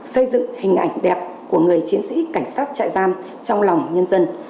xây dựng hình ảnh đẹp của người chiến sĩ cảnh sát trại giam trong lòng nhân dân